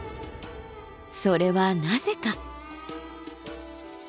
それはなぜか？